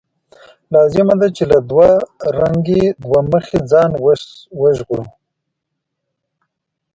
لازمه ده چې له دوه رنګۍ، دوه مخۍ ځان وژغورو.